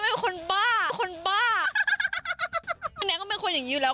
แน็กเขาเป็นคนอย่างนี้อยู่แล้ว